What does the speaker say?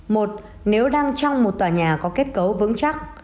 một nếu đang trong một tòa nhà có kết cấu vững chắc